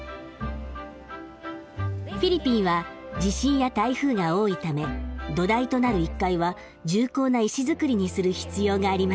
フィリピンは地震や台風が多いため土台となる１階は重厚な石造りにする必要がありました。